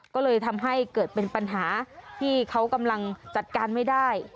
ก็เลยทำให้เกิดเป็นปัญหาที่เขากำลังจัดการไม่ได้